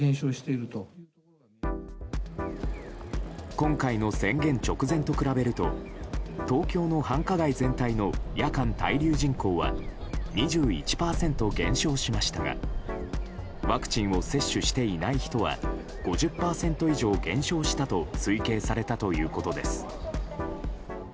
今回の宣言直前と比べると東京の繁華街全体の夜間滞留人口は２１％減少しましたがワクチンを接種していない人は５０％以上減少したと推計されたということです。